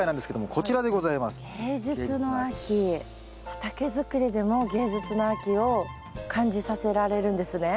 畑づくりでも芸術の秋を感じさせられるんですね。